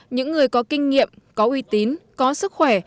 những người có kinh nghiệm có uy tín có sức khỏe